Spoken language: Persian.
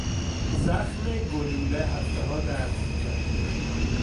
زخم گلوله هفتهها درد میکرد.